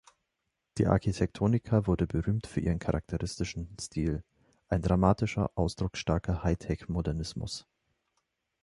Die Arquitectonica wurde berühmt für ihren charakteristischen Stil: ein dramatischer, ausdrucksstarker „Hightech“-Modernismus.